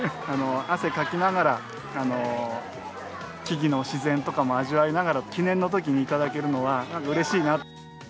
汗かきながら、木々の自然とかも味わいながら、記念のときに頂けるのは、うれしいな。